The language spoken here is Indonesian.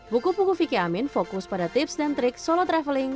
buku buku vicky amin fokus pada tips dan trik solo traveling